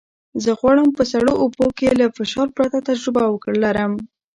زه غواړم په سړو اوبو کې له فشار پرته تجربه ولرم.